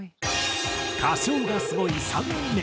歌唱がスゴい３人目。